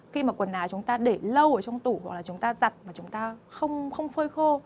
khi mà quần áo chúng ta để lâu ở trong tủ hoặc là chúng ta giặt mà chúng ta không phơi khô